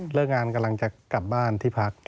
เลิกงานกำลังจะกลับบ้านที่พัก